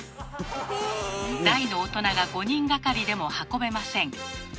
大の大人が５人がかりでも運べません。